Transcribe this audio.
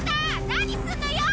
何すんのよ！